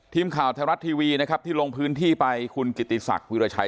ทีมข่าวไทยรัฐทีวีนะครับที่ลงพื้นที่ไปคุณกิติศักดิราชัย